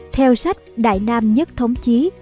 theo sách đại nam nhất thống chí